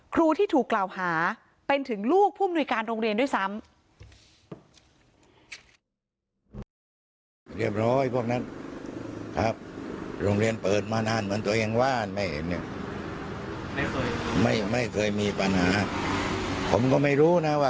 ครูที่ถูกกล่าวหาเป็นถึงลูกผู้มนุยการโรงเรียนด้วยซ้ำ